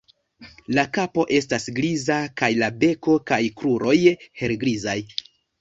La kapo estas griza kaj la beko kaj kruroj helgrizaj.